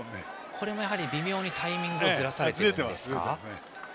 これも微妙にタイミングをずらされていると。